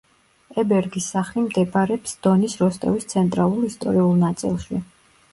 ებერგის სახლი მდებარებს დონის როსტოვის ცენტრალურ ისტორიულ ნაწილში.